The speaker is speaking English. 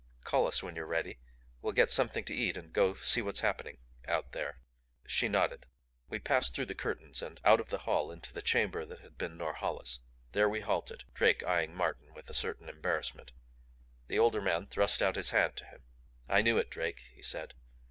Call us when you're ready. We'll get something to eat and go see what's happening out there." She nodded. We passed through the curtains and out of the hall into the chamber that had been Norhala's. There we halted, Drake eyeing Martin with a certain embarrassment. The older man thrust out his hand to him. "I knew it, Drake," he said.